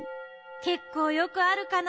けっこうよくあるかな。